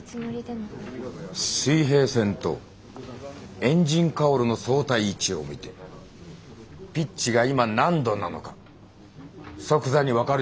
水平線とエンジンカウルの相対位置を見てピッチが今何度なのか即座に分かるようになれ。